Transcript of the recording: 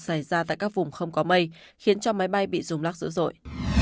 xảy ra tại các vùng không có mây khiến cho máy bay bị rung lắc dữ dội